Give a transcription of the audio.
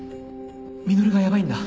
実がヤバいんだ。